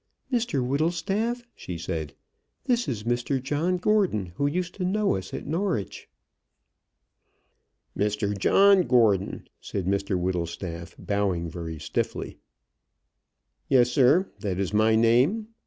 "Mr Whittlestaff," she said, "this is Mr John Gordon who used to know us at Norwich." "Mr John Gordon," said Mr Whittlestaff, bowing very stiffly. "Yes, sir; that is my name.